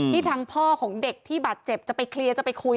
ทางพ่อของเด็กที่บาดเจ็บจะไปเคลียร์จะไปคุย